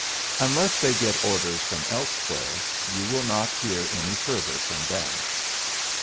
Unless they get orders from elsewhere, you will not hear any further from them."